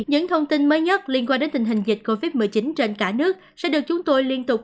những thông tin mới nhất liên quan đến tình hình dịch covid một mươi chín trên cả nước sẽ được chúng tôi liên tục